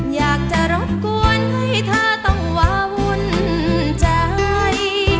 อยากจะรบกวนให้เธอต้องวาวุ่นใจ